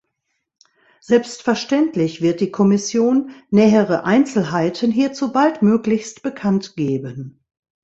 Selbstverständlich wird die Kommission nähere Einzelheiten hierzu baldmöglichst bekannt geben.